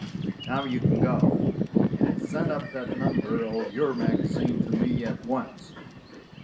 Now you can go, and send up that number of your magazine to me at once."